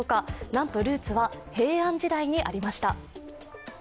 なんと、ルーツは平安時代にありました。